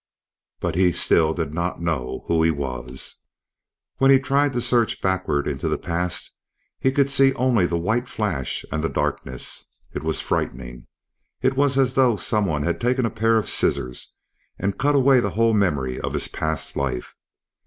But he still did not know who he was... When he tried to search backward into the past, he could see only the white flash and the darkness. It was frightening. It was as though someone had taken a pair of scissors and cut away the whole memory of his past life.